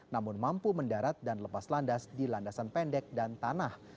namun mampu mendarat dan lepas landas di landasan pendek dan tanah